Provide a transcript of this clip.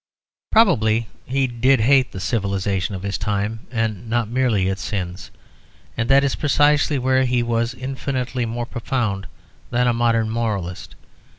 Probably he did hate the civilisation of his time, and not merely its sins; and that is precisely where he was infinitely more profound than a modern moralist.